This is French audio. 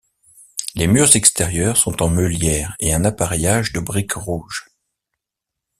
Les murs extérieurs sont en meulière et un appareillage de briques rouges.